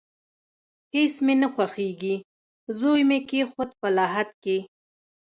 هیڅ مې نه خوښیږي، زوی مې کیښود په لحد کې